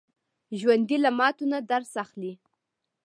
ژوندي له ماتو نه درس اخلي